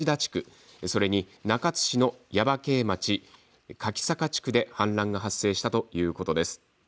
山国川は中津市の本耶馬溪町多志田地区、それに中津市の耶馬溪町柿坂地区で氾濫が発生したということです。